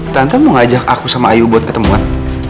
tante mau ngajak aku sama ayu buat ketemuan